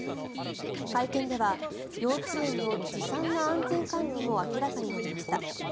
会見では幼稚園のずさんな安全管理も明らかになりました。